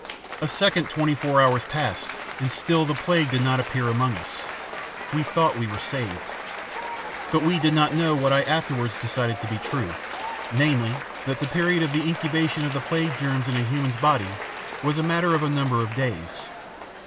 "A second twenty four hours passed, and still the plague did not appear among us. We thought we were saved. But we did not know what I afterwards decided to be true, namely, that the period of the incubation of the plague germs in a human's body was a matter of a number of days.